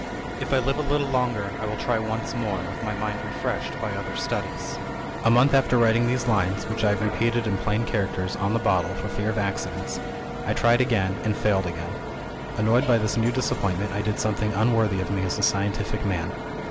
If I live a little longer, I will try once more, with my mind refreshed by other studies. "A month after writing these lines (which I have repeated in plain characters, on the bottle, for fear of accidents), I tried again and failed again. Annoyed by this new disappointment, I did something unworthy of me as a scientific man.